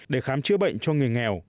để khám chữa bệnh cho người nghèo